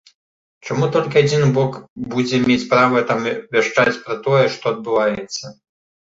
Чаму толькі адзін бок будзе мець права там вяшчаць пра тое, што адбываецца.